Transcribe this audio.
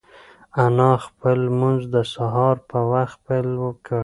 انا خپل لمونځ د سهار په وخت پیل کړ.